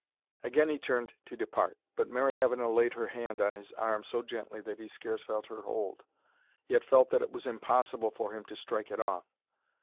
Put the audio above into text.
Again he turned to depart, but Mary Avenel laid her hand on his arm so gently that he scarce felt her hold, yet felt that it was impossible for him to strike it off.